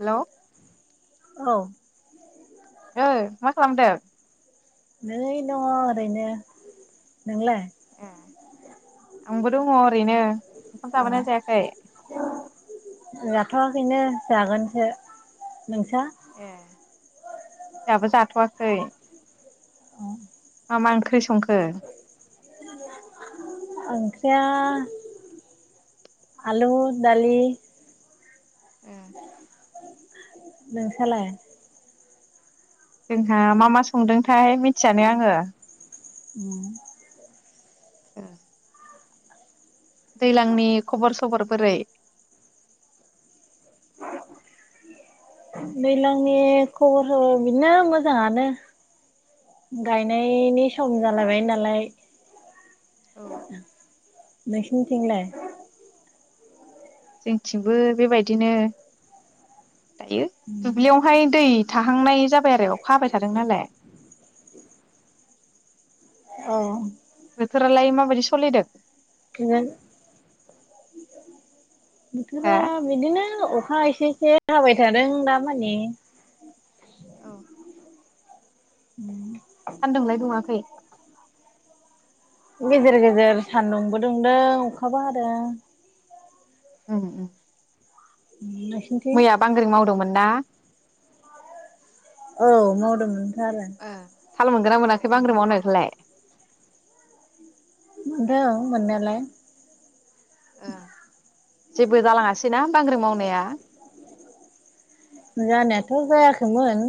Hello औ ओ मा खालामदों? नै दङ ओरैनो नोंलाय ए आंबो दङ ओरैनो ओंखाम औ जाबायना जायाखै? जाथ'वाखैनो जागोनसो नोंसा? ए दाबो जाथ'वाखै औ मा मा ओंख्रि संखो? ओंख्रिया आलु दालि उम नोंसालाय? जोंहा मा मा संदोंथाय मिथियानो आङो। उम औ दैज्लांनि खबर सबर बोरै? दैज्लांनि खबरफोर बिदिनो मोजाङानो गायनायनि सम जालायबाय नालाय। औ नोंसोरनिथिंलाय जोंथिंबो बेबायदिनो दायो दुब्लियावहाय दै थाहांनाय जाबाय आरो अखााबाय थादों नालाय औ बोथोरालाय माबायदि सलिदों बिनो हा बोथोरा बिदिनो अखा एसे एसे हाबाय थादों दा माने औ उम सान्दुंलाय दुङाखै गेजेर गेजेर सान्दुंबो दुंदों अखाबो हादों उम उम नोंसिनिथिं मैया बांग्रि मावदोंमोन ना औ मावदोंमोन ओ थाल मोनगोनना मोनाखै बांग्रिं मावनायखौलाय मोनदों मोननायालाय ओ जेबो जालाङासैना बांग्रि मावनाया जानायाथ' जायाखैमोन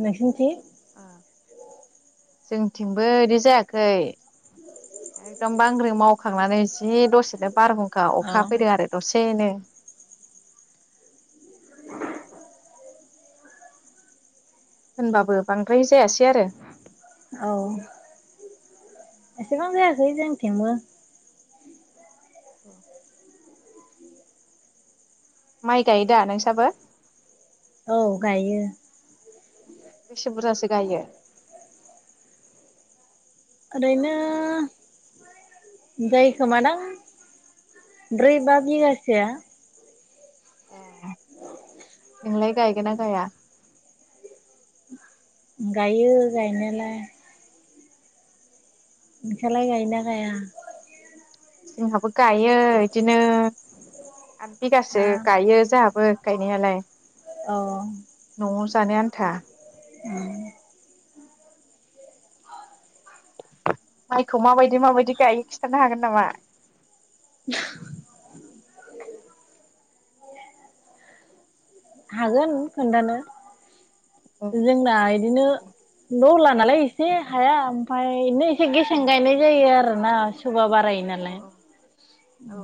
नोंसोरनिथिं जोंथिंबो बिदि जायाखै एकदमब बांग्रि मावखांनानै जि दसेनो बारहुं खा अ अखा फैदों आरो दसेनो होनबाबो बांद्राय जायासै आरो औ एसेबां जायाखै जोंनि थिंबो औ माइ गायो दा नोंसाबो औ गायो बेसे बुरजासो गायो ओरैनो जायोखोमादां ब्रै बा बिगासोआ ए [inaudible] नोंलाय गायगोन ना गाया गायो गायनायालाय नोंसालाय गायोना गाया जोंहाबो गायो बिदिनो आत आ बिगासो गायो जोंहाबो गायनायालाय औ। न'आव जानो आन्था। उम। माइखौ माबायदि माबायदि गायो खिन्थानो हागोन नामा? हागोन खोन्थानो। औ जोंना इदिनो न' ला नालाय एसे हाया ओमफाय नै एसे औ गेसें गायनाय जायो आरो। ना स बारायो नालाय। औ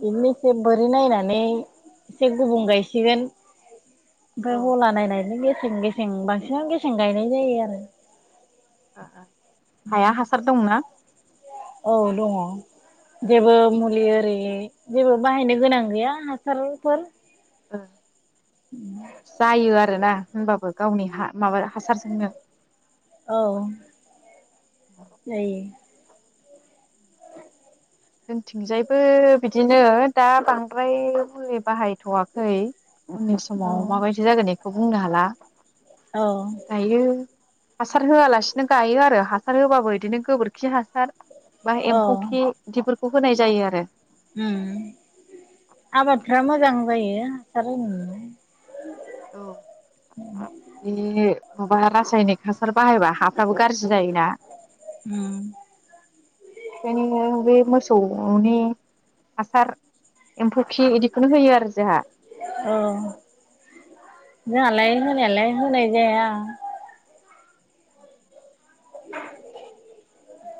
बिदिनो एसे बोरि नायनानै एसे गुबुं गायसिगोन। औ ओमफाय हला नायनाय [unintelligible] गेसें गेसें बांसिन गेसें गायनाय जायो आरो। हाया हासार दंना? औ दङ' जेबो मुलि ओरि जेबो बाहायनो गोनां गैया हासारफोर। ओ। जायो आरोना होनबाबो। गावनि हा माबा हासार सोंनो। औ जायो जोंथिंजायबो बिदिनो दा बांद्राय मुलि बाहायथ'वाखै उनि औ समाव माबायदि जागोन ए खौ बुंनो हाला। औ दायो हासार होआलासिनो गायो आरो हासार होबाबो बिदिनो गोबोरखि हासार बा औ एम्फौ खि दिफोरखौ होनाय जायो आरो। उम जां जायो हासार होनो मोनबा। औ बिनिनो माबा रासायनिक हासार बाहायबा हाफ्राबो गाज्रि जायोना। उम। बेखायनो बे मोसौनि हासार एम्फौ खि इदि बेखौनो होयो आरो जाहा। औ जोंहालाय होनायालाय होनाय जाया।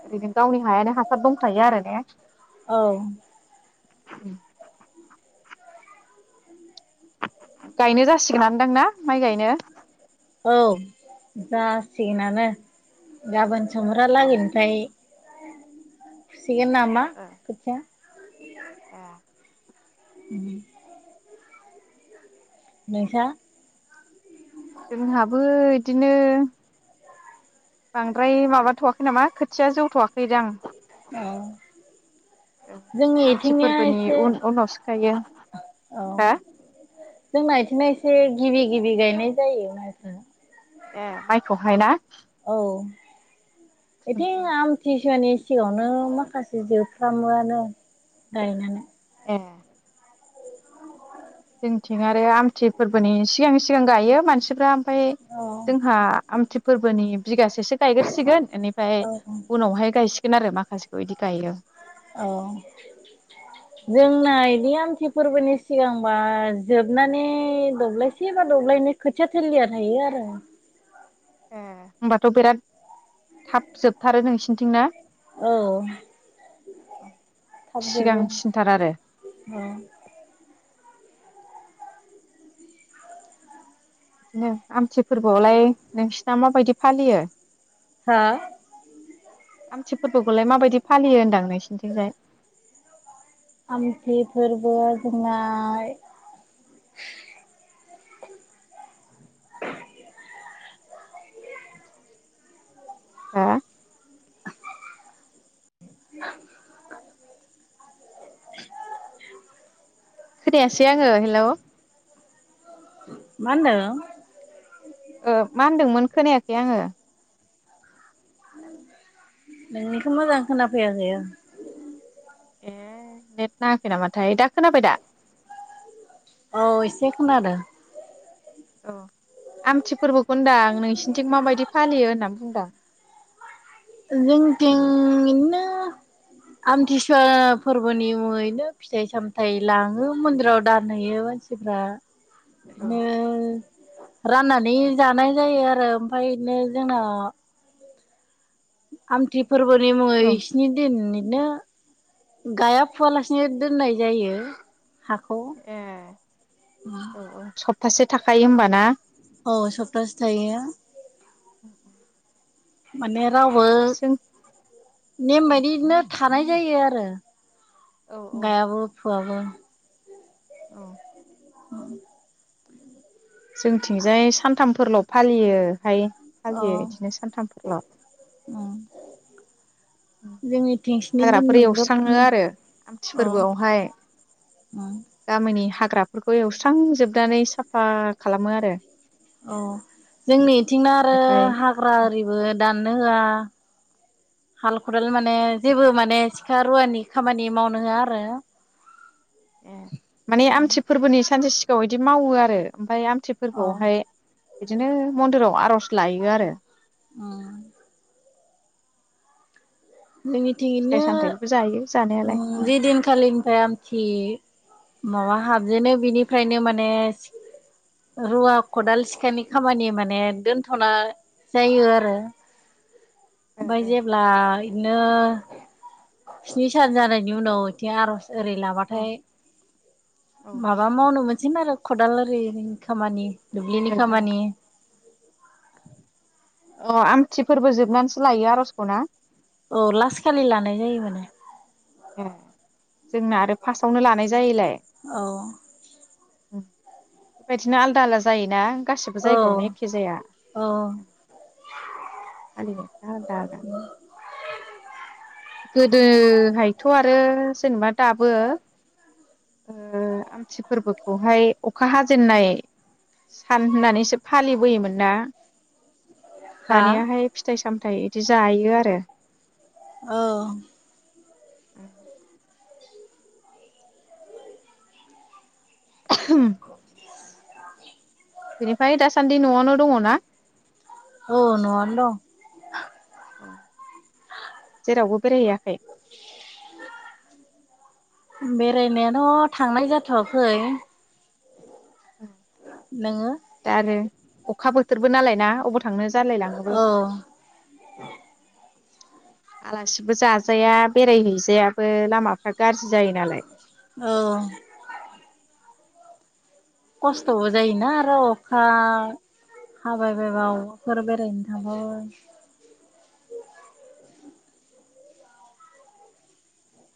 ओरैनो गावनि हायानो हासार दंखायो आरो ने औ [inaudible] गायनो जासिगोनदांना माइ गायनो औ जासिगोनानो गाबोन। समब्रा औ लागैनिफ्राय सिगोन नामा ओ खोथिया ए उम नोंसा जोंहाबो इदिनो बांद्राय माबाथ'वाख खै नामा खोथिया जौथ'वाखैदां औ जोंनि आमथि इथिंनिया फोरबोनि एसे उन उनाव सोखायो हा से गिबि गिबि गायनाय जायो माइखो एम माइखौहाय ना? औ एथिं आमथि सिगांनि सिगाङावनो माखासे जोबफ्रामोआनो गायनानै। ए बेथ' नंगौ आरो जोंनिथिं आरो आमथि फोरबोनि सिगां सिगां गायो मानसिफ्रा फाय औ जोंहा आमथि फोरबोनि बिगासेसो गायग्रोसिगोन इनिफ्राय औ उनावहाय गायसिग गोन आरो माखासेखौ इदि गायो औ जोंना इदिया खाथि फोरबोनि सिगांबा जोबनानै दब्लायसे बा दब्लायनि खोथिया थोलिया थायो आरो ए होमबाथ' बिराद थाब जोबथारो नोंसि बिथिं ना औ थाब जोबो सिगांसिनथार आरो ओ अ दिनो आमथि फोरबोआवलाय नोंसिना माबायदि फालियो? हो आमथि फोरबोखौलाय माबायदि फालियो होनदां नोंसिनिथिंजाय? आमथि फोरबो जोंनाय हो [inaudible] खोनायासै आङो हेलौ मा होनदों? ओ मा होनदोंमोन खोनायाखै आङो। नोंनिखौ मोजां खोनाफैयाखै [unintelligible] ए नेट नाङाखै नामाथाय दा खोनाबाय दा? औ एसे खोनादों। औ आमथि फोरबो खौ होनदां आं नोंसिनिथिं माबायदि फालियो होनना बुंदां जोंथिं इदिनो आमथिसुवा फोरबोनि मुङैनो फिथाइ सामथाइ लाङो मन्दिराव दानहैयो मानसिफ्रा औ नो राननानै जानाय जायो आरो ओमफ्राय बिदिनो जोंना आमथि फोरबोनि औ मुङै स्नि दिन नो गाया फुवालासिनो दोननाय जायो। हाखौ ए औ औ स प्तासे थाखायो होमबा ना? औ सफ्थासे थायो। माने रावबो जों नेम औ बायदिनो थानाय जायो आरो औ औ गायाबो फुवाबो। औ ओं जोंनिथिंजाय सानथामफोरल' फालियोहाय। अ फालियो बिदिनो सानथामफोरल'। उम जोंनिथिं स्नि दिन हाग्राफोर ग्रोब एवस्राङो होनो आरो आमथि अ फोरबोआवहाय उम गामिनि हा ग्राफोरखौ एवस्रांजोबनानै साफा खालामो आरो। औ जोंनि थिंना आरो बेनिफ्राय हाग्रा आरिबो दाननो होआ हाल-खदाल माने जेबो माने सिखा रुवानि खामानि मावनो होआ आरो। ए माने आमथि फोरबोनि सानसे सि गाङाव इदि मावो आरो ओमफ्राय आम थि अ फोरबोयावहाय बिदिनो मन्दिराव आर'ज लायो आरो। अ जोंनिथिंनो फिथाइ सामथायाइखौबो जायो जानायालाय जे दिनखालिनिफ्राय आमथि माबा हाबजेनो बिनिफ्रायनो माने सि रुवा खदाल सिखानि खामानि माने दोनथ'नाय जायो आरो। ओमफ्राय जेब्ला नो स्नि सान जानायनि उनाव इथिं आरज ओरै औ लाबाथाय औ माबा मावनो मोन सिगोन आरो खदाल ओरिनि खामानि। दुब्लिनि खामानि अ आमथिफोरबो जोबनानैसो लायो आरजखौ ना? औ लास खालि लानाय जायो माने। ए जोंना आरो फार्स्टआवनो लानाय जायोलाय औ उम बेबादिनो आलदा आलदा जायोना? गासिबो औ जायगायावनो एखे जाया औ फालिनायफ्रा आलदा आलदा [unintelligible] गोदोहायथ आरो जेनेबा दाबो ओ आमथि फोरबोखौहाय अखा हाजेननाय सान होननानैसो फालिबोयोमोन ना? हा दानियाहाय फिथाइ साम थाय बिदि जायो आरो औ उम [inaudible] बेनिफाय दासान्दि नआवनो दङ ना? औ नआवनो दं अ जेरावबो बेरायहैैयाखै? बेरायनायाथ थांनाय जाथवाखै उम नोङो दाआरो अखा बोथोरबो नालाय ना अबावथ थांनो जालायलाङोबो औ आलासिबो जाजाया बेरायहैजायाबो लामाफ्रा गाज्रि जायो नालाय औ खस्थबो जायोना आरो अखा हाबाय बायबा अबाफोर बेरायनो थांबाबो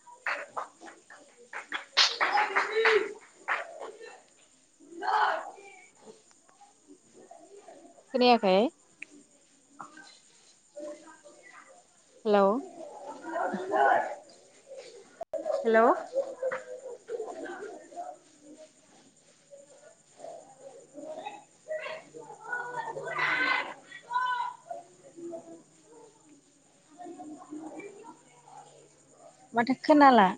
[unintelligible] खोनायाखै [unintelligible] हेलौ [unintelligible] हेलौ [unintelligible] माथो खोनाला